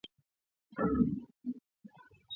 Baba arikatala kurima ku mulima